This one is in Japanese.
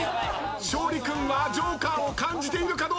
勝利君はジョーカーを感じているかどうだ？